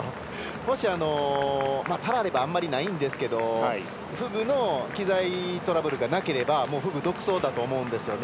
もし、たらればあんまりないんですけどフグの機材トラブルがなければフグが独走だと思うんですよね。